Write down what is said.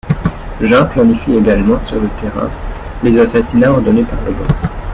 Gin planifie également sur le terrain les assassinats ordonnés par le Boss.